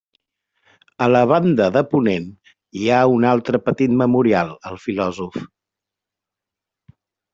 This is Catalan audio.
A la banda de ponent hi ha un altre petit memorial al filòsof.